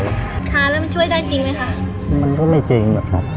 ค้าแล้วมันช่วยได้จริงไหมคะ